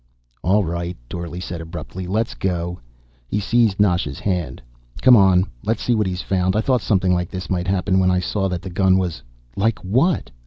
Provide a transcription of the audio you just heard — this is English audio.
"All right," Dorle said abruptly. "Let's go." He seized Nasha's hand. "Come on. Let's see what he's found. I thought something like this might happen when I saw that the gun was " "Like what?"